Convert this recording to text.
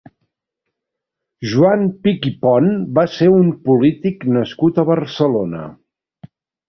Joan Pich i Pon va ser un polític nascut a Barcelona.